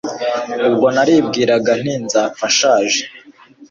ubwo naribwiraga nti nzapfa nshaje